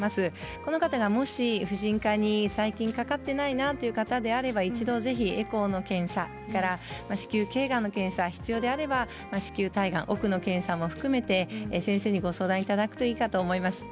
この方がもし婦人科に最近かかっていないという方であれば一度ぜひエコーの検査子宮けいがんの検査が必要であれば子宮体がん、奥の検査も含めて先生にご相談いただければと思います。